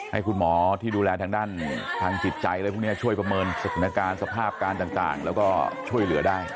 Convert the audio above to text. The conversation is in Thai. ให้คุณหมอที่ดูแลทางด้านทางจิตใจอะไรพวกนี้ช่วยประเมินสถานการณ์สภาพการต่างแล้วก็ช่วยเหลือได้